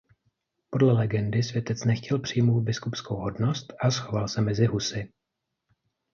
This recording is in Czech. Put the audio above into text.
Podle legendy světec nechtěl přijmout biskupskou hodnost a schoval se mezi husy.